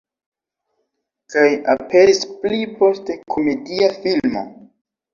Kaj aperis pli poste komedia filmo.